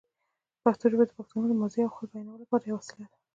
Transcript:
پښتو ژبه د پښتنو د ماضي او حال بیانولو لپاره یوه وسیله ده.